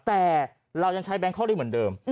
แต่เรายังใช้แบงคอกได้เหมือนเดิม